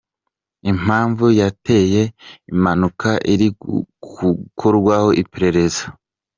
Impamvu yateye impanuka iri gukorwaho iperereza.